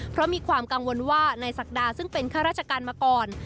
เพราะมีความกังวลว่านายศักดาซึ่งเป็นข้าราชการมาก่อน